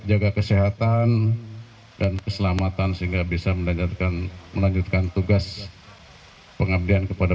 jaga kesehatan dan keselamatan sehingga bisa mendengarkan melanjutkan tugas pengabdian kepada